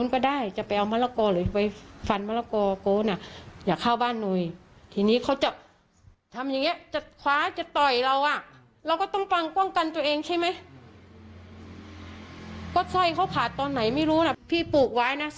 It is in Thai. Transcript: อ๋อเขาเป็นคนปลูก